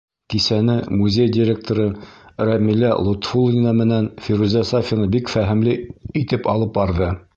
Кисәне музей директоры Рәмилә Лотфуллина менән Фирүзә Сафина бик фәһемле итеп алып барҙы.